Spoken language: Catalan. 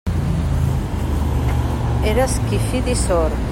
Era esquifit i sord.